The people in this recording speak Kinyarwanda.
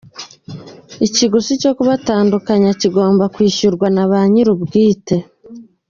Ikiguzi cyo kubatandukanya kigomba kwishyurwa nab a nyirubwite.